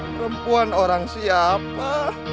perempuan orang siapa